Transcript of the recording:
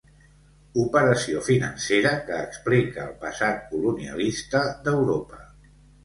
Operació financera que explica el passat colonialista d'Europa.